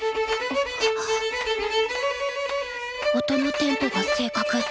音のテンポが正確。